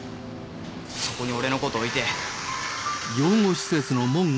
そこに俺のこと置いて。